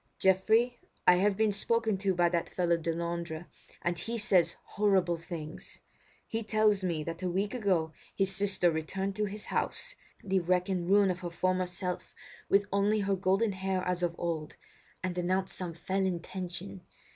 "Geoffrey, I have been spoken to by that fellow Delandre, and he says horrible things. He tells to me that a week ago his sister returned to his house, the wreck and ruin of her former self, with only her golden hair as of old, and announced some fell intention.